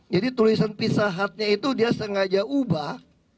jadi tulisan pizza hutnya itu dia sengaja ubah